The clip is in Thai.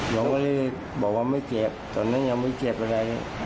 ลุงคอยตั้งแต่เช้าอะแหละ